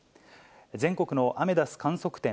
全国のアメダス観測点